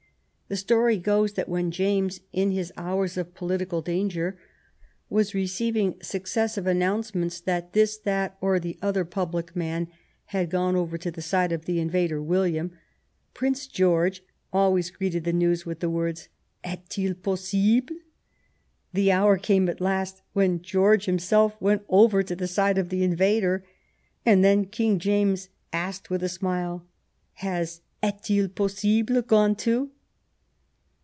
The story goes that when James, in his hours of political danger, was receiving successive announcements that this, that, or the other public man had gone over to the side of the invader William, Prince George always greeted the news with the words, "Est il possible?^* The hour came at last when George himself went over to the side of the invader, and then King James asked, with a smile, " Has ^ Est il possible V gone too